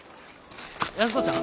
安子ちゃん？